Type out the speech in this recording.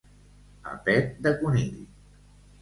A pet de conill.